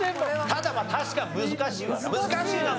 ただ確かに難しいわな。